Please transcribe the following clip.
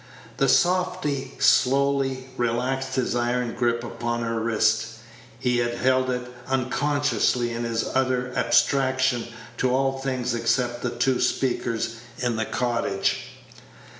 The softy slowly relaxed his iron grip upon her wrist. He had held it unconsciously in his utter abstraction to all things except the two speakers in the cottage.